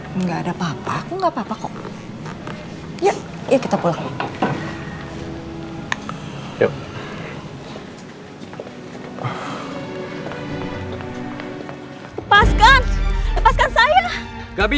tunggu tunggu tunggu